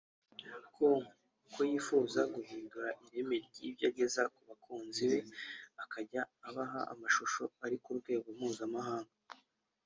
com ko yifuza guhindura ireme ry'ibyo ageza ku bakunzi be akajya abaha amashusho ari ku rwego mpuzamahanga